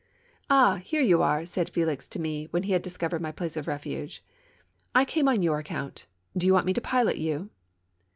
"Ah! here you are!" said Felix to me when he had discovered my place of refuge. "I came on your ac count. Do you want me to pilot you?"